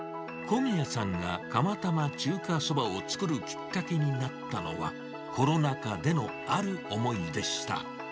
小宮さんが釜玉中華そばを作るきっかけになったのは、コロナ禍でのある思いでした。